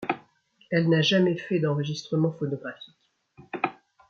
Elle n'a jamais fait d'enregistrements phonographiques.